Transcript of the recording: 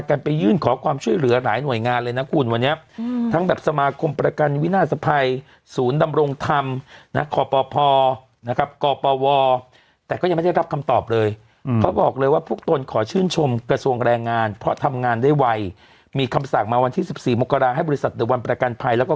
กันไปยื่นขอความช่วยเหลือหลายหน่วยงานเลยนะคุณวันนี้ทั้งแบบสมาคมประกันวินาศภัยศูนย์ดำรงธรรมนะขอปภนะครับกปวแต่ก็ยังไม่ได้รับคำตอบเลยเขาบอกเลยว่าพวกตนขอชื่นชมกระทรวงแรงงานเพราะทำงานได้ไวมีคำสั่งมาวันที่สิบสี่มกราให้บริษัทในวันประกันภัยแล้วก็